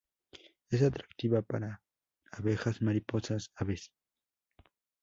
Es atractiva para abejas, mariposas, aves.